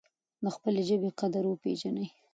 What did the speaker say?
د خپلې ژبې قدر وپیژنئ.